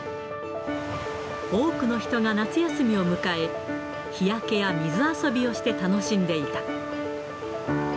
多くの人が夏休みを迎え、日焼けや水遊びをして楽しんでいた。